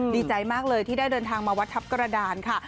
ดีใจมากเลยที่ได้เดินทางมาวัดทัพกระดานค่ะ